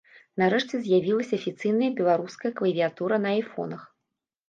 Нарэшце з'явілася афіцыйная беларуская клавіятура на айфонах.